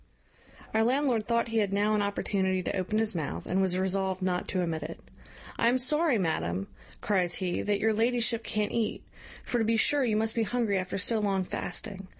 Our landlord thought he had now an opportunity to open his mouth, and was resolved not to omit it. "I am sorry, madam," cries he, "that your ladyship can't eat; for to be sure you must be hungry after so long fasting.